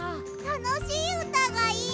たのしいうたがいい！